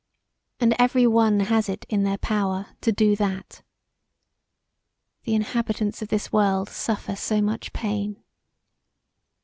And every one has it in their power to do that. The inhabitants of this world suffer so much pain.